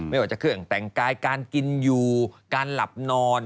คืออย่างแต่งกายการกินอยู่การหลับนอน